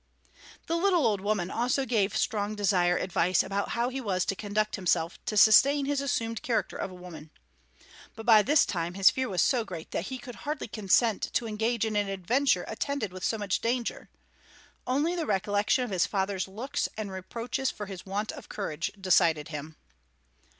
The little old woman also gave Strong Desire advice about how he was to conduct himself to sustain his assumed character of a woman. But by this time his fear was so great that he could hardly consent to engage in an adventure attended with so much danger; only the recollection of his father's looks and reproaches for his want of courage decided him.